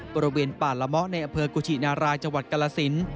ประเวนป่าละมะในอเภอกุชินารายจังหวัดกรรษิน